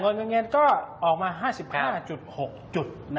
เงินเงินก็ออกมา๕๕๖จุด